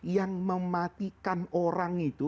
yang mematikan orang itu